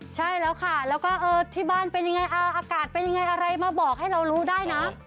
ใช่แล้วค่ะแล้วก็ที่บ้านเป็นยังไงอากาศเป็นยังไงอะไรมาบอกให้เรารู้ได้นะ